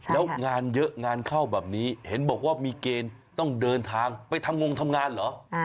แล้วงานเยอะงานเข้าแบบนี้เห็นบอกว่ามีเกณฑ์ต้องเดินทางไปทำงงทำงานเหรอ